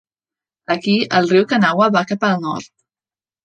Aquí, el riu Kanawha va cap al nord.